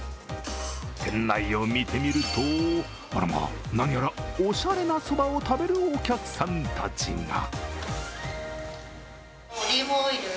店内を見てみると、あらま、何やらおしゃれなそばを食べるお客さんたちが。